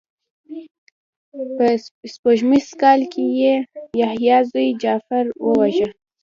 په سپوږمیز کال کې یې یحیی زوی جغفر وواژه.